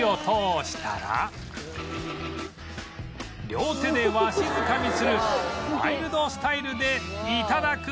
両手でわしづかみするワイルドスタイルで頂く